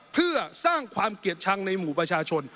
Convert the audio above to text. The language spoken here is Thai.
เพื่อสร้างความเกลียดชังในหมู่ประชาชน